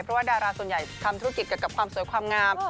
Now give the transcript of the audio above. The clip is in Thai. เพราะว่าดาราส่วนใหญ่ทำธุรกิจเกี่ยวกับความสวยความงาม